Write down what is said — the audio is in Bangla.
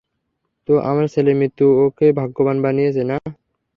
তো, আমার ছেলের মৃত্যু ওকে ভাগ্যবান বানিয়েছে, না?